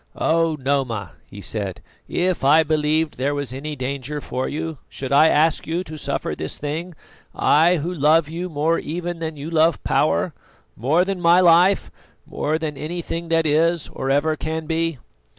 "Oh! Noma," he said, "if I believed that there was any danger for you, should I ask you to suffer this thing? I, who love you more even than you love power, more than my life, more than anything that is or ever can be."